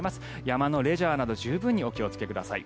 山のレジャーなど十分にお気をつけください。